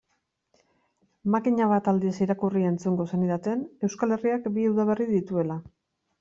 Makina bat aldiz irakurri-entzungo zenidaten Euskal Herriak bi udaberri dituela.